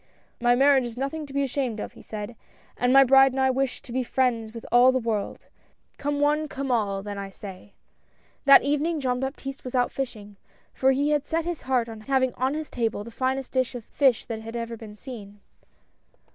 " My marriage is nothing to be ashamed of," he said, " and my bride and I wish to be friends with all the world — come one, come all, then, I say." That evening Jean Baptiste was out fishing, for he had set his heart on having on his table the finest dish of fish that had ever been seen.